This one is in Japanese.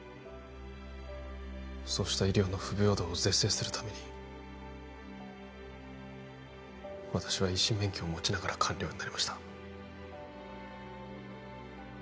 そうした医療の不平等を是正するために私は医師免許を持ちながら官僚になりました